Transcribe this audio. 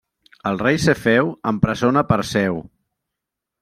El rei Cefeu empresona Perseu.